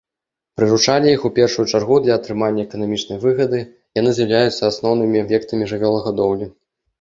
Прыручалі іх у першую чаргу для атрымання эканамічнай выгады, яны з'яўляюцца асноўнымі аб'ектамі жывёлагадоўлі.